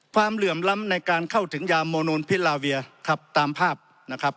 ความเหลื่อมล้ำในการเข้าถึงยาโมโนพิราเวียครับ